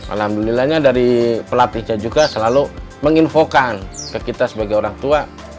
alhamdulillahnya dari pelatihnya juga selalu menginfokan ke kita sebagai orang tua